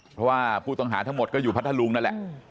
เพราะว่าผู้ต้องหาทั้งหมดก็อยู่พัทธลุงนั่นแหละ